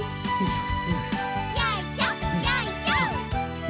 よいしょよいしょ。